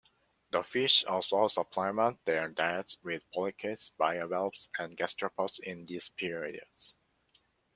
The fish also supplement their diets with polychaetes, bivalves, and gastropods in these periods.